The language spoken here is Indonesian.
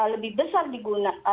lebih besar di guna